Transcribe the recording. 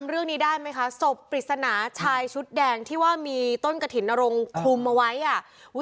เรื่องนี้ได้ไหมคะศพปริศนาชายชุดแดงที่ว่ามีต้นกระถิ่นนรงคลุมเอาไว้อ่ะ